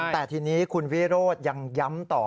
แต่ทีนี้คุณวิโรธยังย้ำต่อ